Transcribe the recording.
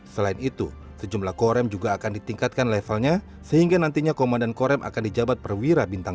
selain itu sejumlah korem juga akan ditingkatkan levelnya sehingga nantinya komandan korem akan dijabat perwira bintang